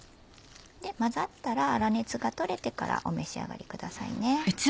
混ざったら粗熱が取れてからお召し上がりくださいね。